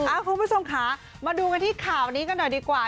โอ้วคุณผู้ท่องขามาดูกันที่ข่าวนี้กันหน่อยดีกว่า